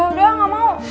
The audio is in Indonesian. udah gak mau